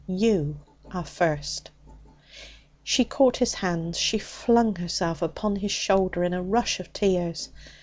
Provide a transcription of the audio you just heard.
'You are first.' She caught his hands; she flung herself upon his shoulder in a rush of tears.